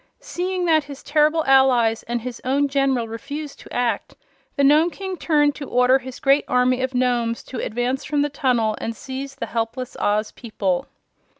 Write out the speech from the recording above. Seeing that his terrible allies and his own General refused to act, the Nome King turned to order his great army of Nomes to advance from the tunnel and seize the helpless Oz people.